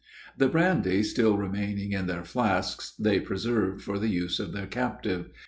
The brandy still remaining in their flasks, they preserved for the use of their captive.